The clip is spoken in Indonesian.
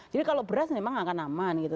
jadi kalau beras memang akan aman gitu